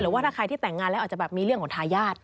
ว่าถ้าใครที่แต่งงานแล้วอาจจะแบบมีเรื่องของทายาท